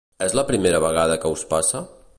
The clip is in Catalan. És la primera vegada que us passa?